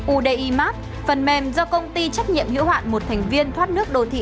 udi map phần mềm do công ty trách nhiệm hữu hạn một thành viên thoát nước đô thị